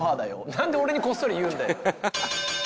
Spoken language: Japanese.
何で俺にこっそり言うんだよ。